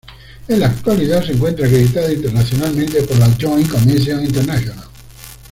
En la actualidad se encuentra acreditada internacionalmente por la Joint Commission International.